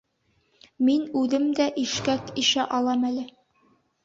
Мин үҙем дә ишкәк ишә алам әле.